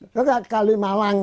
itu adalah kalimawang